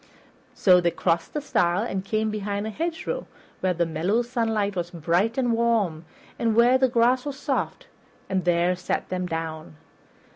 So they crossed a stile and came behind a hedgerow where the mellow sunlight was bright and warm, and where the grass was soft, and there sat them down.